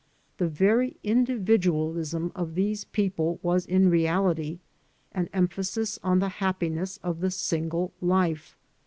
The very individualism of these people was in reality an emphasis on the happiness of the single life.